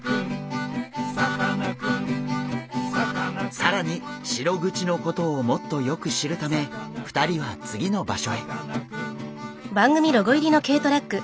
更にシログチのことをもっとよく知るため２人は次の場所へ。